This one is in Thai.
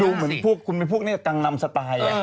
ดูเหมือนคุณเป็นพวกเนี่ยสายกังลำสไตล์